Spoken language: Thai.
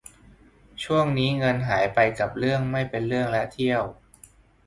ช่วงนี้เงินหายไปกับเรื่องไม่เป็นเรื่องและเที่ยว